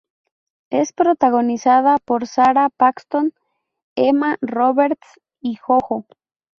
Es protagonizada por Sara Paxton, Emma Roberts y JoJo.